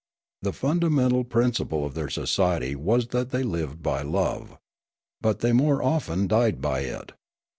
The fundamental prin ciple of their society was that they lived by love. But they more often died by it.